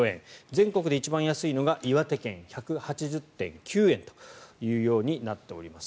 全国で一番安いのが岩手県１８０．９円となっています。